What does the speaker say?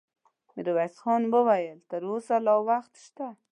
ميرويس خان وويل: تر اوسه لا وخت شته.